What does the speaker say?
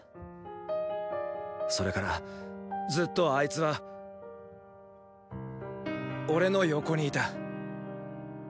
それからずっとあいつは俺の横にいた。